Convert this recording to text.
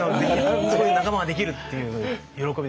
そこに仲間ができるっていう喜び。